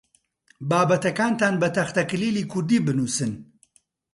بابەتەکانتان بە تەختەکلیلی کوردی بنووسن.